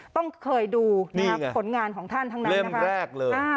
ต้องเคยดูนี่ไงผลงานของท่านทั้งนั้นนะคะเล่มแรกเลยอ่า